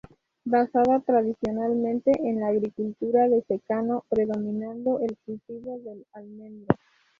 Basada tradicionalmente en la agricultura de secano, predominando el cultivo del almendro.